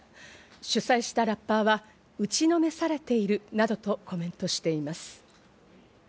主催したラッパーは打ちのめされているなどとコメントしています。